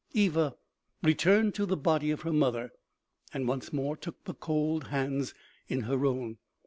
Eva returned to the body of her mother, and once more took the cold hands in her own.